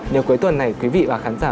nếu cuối tuần này quý vị và khán giả